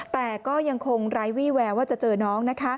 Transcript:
แต่ก็ยังคงไร้วี่แววว่าจะเจอน้องนะคะ